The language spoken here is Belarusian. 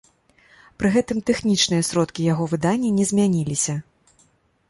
Пры гэтым тэхнічныя сродкі яго выдання не змяніліся.